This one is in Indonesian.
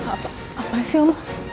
apa sih oma